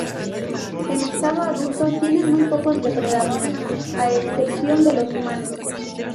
En estado adulto tienen muy pocos depredadores, a excepción de los humanos.